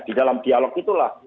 di dalam dialog itulah